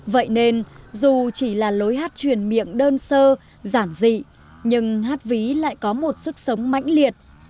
vậy nên dù chỉ là lối hát truyền miệng đơn sơ giản dị nhưng hát ví lại có một sức sống mãnh liệt